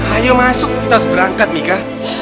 ayo masuk kita harus berangkat nikah